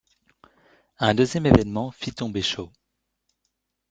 Un deuxième événement fit tomber Shaw.